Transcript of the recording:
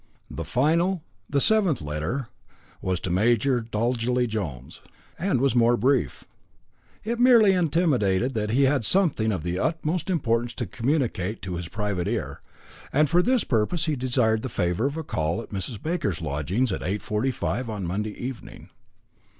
The final, the seventh letter, was to Major Dolgelly Jones, and was more brief. It merely intimated that he had something of the utmost importance to communicate to his private ear, and for this purpose he desired the favour of a call at Mrs. Baker's lodgings, at 8.45 on Monday evening.